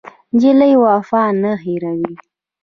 نجلۍ وفا نه هېروي.